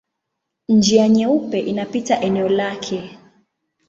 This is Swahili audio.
Njia Nyeupe inapita eneo lake.